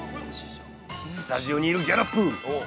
スタジオにいるギャロップ。